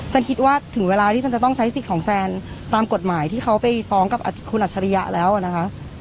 คิดว่าถึงเวลาที่ฉันจะต้องใช้สิทธิ์ของแซนตามกฎหมายที่เขาไปฟ้องกับคุณอัจฉริยะแล้วนะคะ